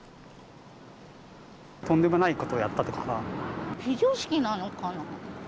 とんでもないことをやったと非常識なのかな。